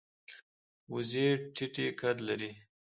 وزې ټیټه قد لري